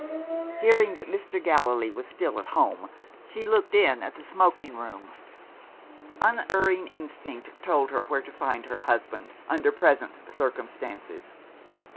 Hearing that Mr. Gallilee was still at home, she looked in at the smoking room. Unerring instinct told her where to find her husband, under present circumstances.